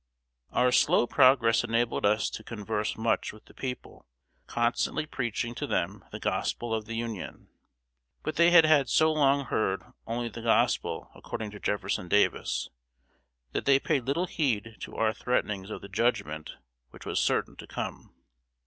Our slow progress enabled us to converse much with the people, constantly preaching to them the gospel of the Union. But they had so long heard only the gospel according to Jefferson Davis, that they paid little heed to our threatenings of the judgment which was certain to come.